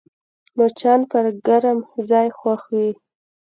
مچان پر ګرم ځای خوښ وي